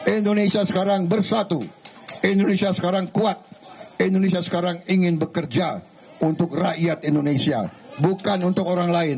indonesia sekarang bersatu indonesia sekarang kuat indonesia sekarang ingin bekerja untuk rakyat indonesia bukan untuk orang lain